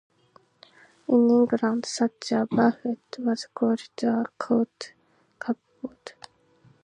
In England such a buffet was called a court cupboard.